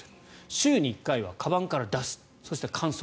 週に１回はかばんから出すそして乾燥。